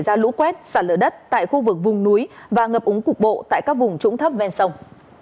cảnh báo nguy cơ cao xảy ra lũ quét sạt lửa đất tại khu vực vùng núi và ngập úng cục bộ tại các vùng trũng thấp ven sông